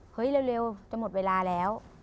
เร็วจะหมดเวลาแล้ว